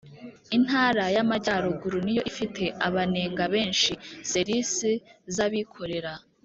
Intara y Amajyaruguru niyo ifite abanenga benshi ser isi z abikorera